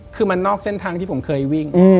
คือมันนอกเส้นทางที่ผมเคยวิ่ง